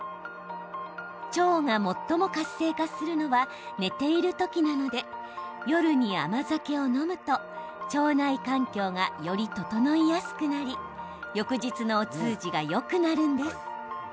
腸が最も活性化するのは寝ている時なので夜に甘酒を飲むと腸内環境がより整いやすくなり翌日のお通じがよくなるんです。